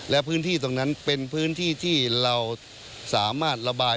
และพื้นที่ตรงนั้นเป็นพื้นที่ที่เราสามารถระบาย